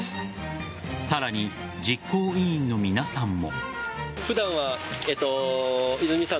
さらに、実行委員の皆さんも。